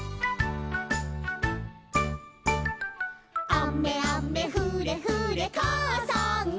「あめあめふれふれかあさんが」